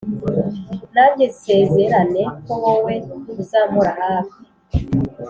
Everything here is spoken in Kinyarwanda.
nanjye nsezerane ko wowe uzampora hafi